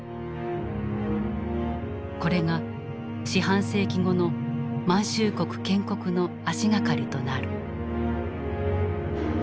これが四半世紀後の「満州国」建国の足がかりとなる。